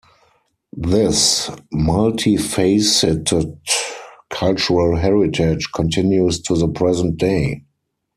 This multifaceted cultural heritage continues to the present day.